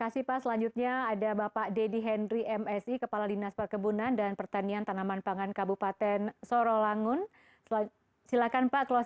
silakan pak closing statement nya